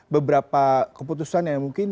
beberapa keputusan yang mungkin